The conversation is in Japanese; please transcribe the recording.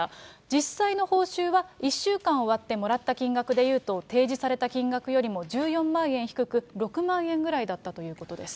実際の報酬は、１週間終わってもらった金額でいうと、提示された金額よりも１４万円低く、６万円ぐらいだったということです。